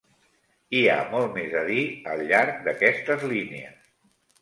Hi ha molt més a dir al llarg d'aquestes línies.